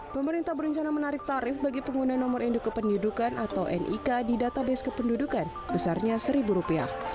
pemerintah berencana menarik tarif bagi pengguna nomor induk kependudukan atau nik di database kependudukan besarnya rp satu